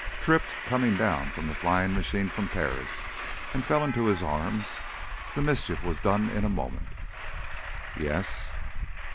"Tripped coming down from the flying machine from Paris and fell into his arms. The mischief was done in a moment!" "Yes?"